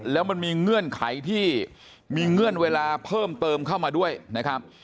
แล้วมันมีเงื่อนไขที่มีเงื่อนเวลาเพิ่มเติมเข้ามาด้วยนะครับ